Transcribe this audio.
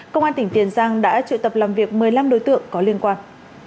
công an tỉnh tiền giang đã triệu tập làm việc một mươi năm đối tượng có liên quan